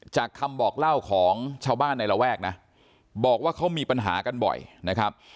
จากคำบอกเล่าของชาวบ้านในระแวกนะบอกว่าเขามีปัญหากันบ่อยนะครับ